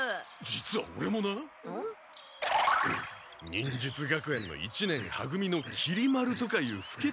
忍術学園の一年は組のきり丸とかいうふけた忍